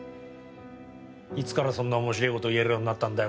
いつから、そんなおもしれえこと言えるようになったんだよ